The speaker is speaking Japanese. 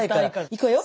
いくわよ。